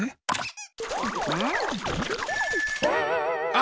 あ！